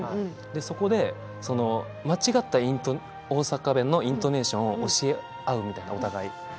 そこで間違った大阪弁のイントネーションを教え合うみたいな、お互い。